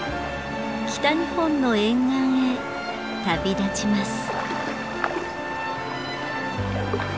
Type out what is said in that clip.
北日本の沿岸へ旅立ちます。